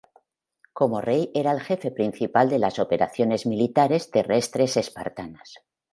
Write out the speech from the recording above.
Como rey era el jefe principal de las operaciones militares terrestres espartanas.